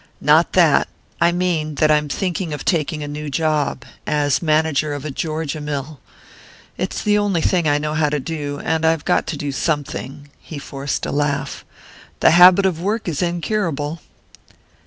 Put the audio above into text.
"Not that! I mean that I'm thinking of taking a new job as manager of a Georgia mill.... It's the only thing I know how to do, and I've got to do something " He forced a laugh. "The habit of work is incurable!"